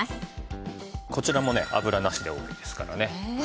こちらもね油なしでオーケーですからね。